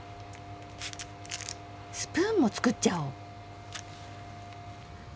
スプーンも作っちゃおう！